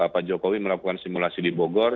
pak jokowi melakukan simulasi di bogor